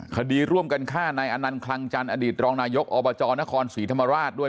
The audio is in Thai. คดีร่วมกันฆ่านายอนันต์คลังจันทร์อดีตรองนายกอบจนครศรีธรรมราชด้วย